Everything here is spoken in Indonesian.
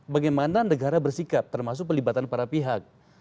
bagaimana negara bersikap termasuk pelibatan para pihak